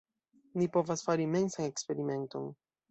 Ni povas fari mensan eksperimenton.